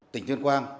tỉnh tuyên quang